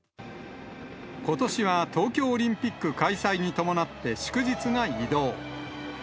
ことしは東京オリンピック開催に伴って、祝日が移動。